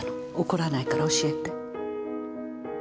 怒らないから教えて。